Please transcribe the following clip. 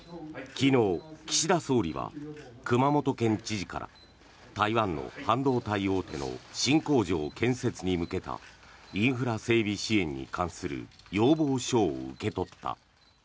昨日、岸田総理は熊本県知事から台湾の半導体大手の新工場建設に向けたインフラ整備支援に関する要望書を受け取った。